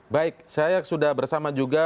baik saya sudah bersama juga